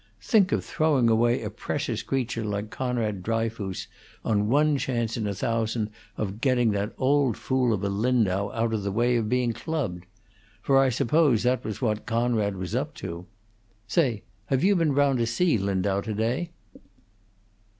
Think of throwing away a precious creature like Coonrod Dryfoos on one chance in a thousand of getting that old fool of a Lindau out of the way of being clubbed! For I suppose that was what Coonrod was up to. Say! Have you been round to see Lindau to day?"